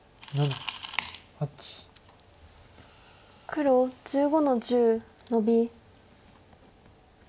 黒１５の十ノビ。